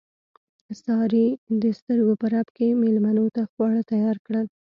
سارې د سترګو په رپ کې مېلمنو ته خواړه تیار کړل.